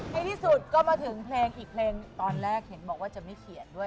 ในที่สุดก็มาถึงเพลงอีกเพลงตอนแรกเห็นบอกว่าจะไม่เขียนด้วย